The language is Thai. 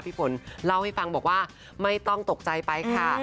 พี่ฝนเล่าให้ฟังบอกว่าไม่ต้องตกใจไปค่ะ